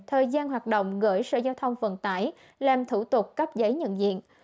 thời gian hoạt động gửi sở giao thông vận tải làm thủ tục cấp giấy nhận diện